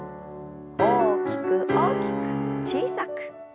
大きく大きく小さく。